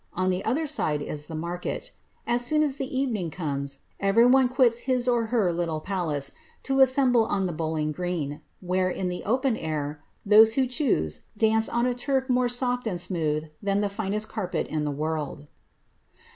On the other side is the market As soon as the evening comes, every one quits his or her little palace^ to assemble on the bowling green, where, in the open air, those who choose dance on a turf more soft and smooth than the finest carpet in the world."